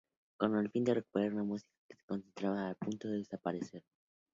Con el fin de recuperar una música que se encontraba a punto de desaparecer.